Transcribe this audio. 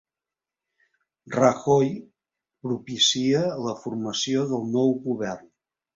Rajoy propicia la formació del nou govern